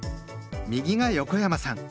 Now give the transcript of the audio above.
右が横山さん